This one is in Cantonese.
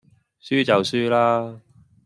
輸就輸喇